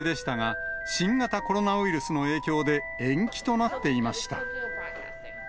去年、オープンの予定でしたが、新型コロナウイルスの影響で延期となっていました。